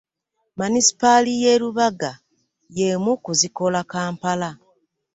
Munisipaali y'e Lubaga y'emu ku zikola Kampala.